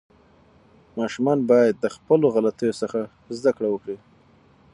ماشومان باید د خپلو غلطیو څخه زده کړه وکړي.